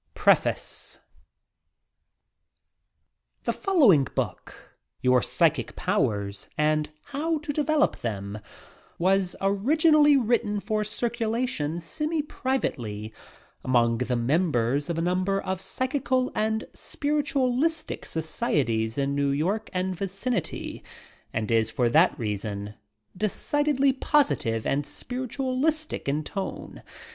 PEEFACE i The following book, "Yonr Psychic Powers: and How to Develop Them," was originally written for circulation semi privately among the members of a number of psychical and spiritualistic Societies in New York and vicinity, and is, for that reason, decidedly positive and spiritistic in tone.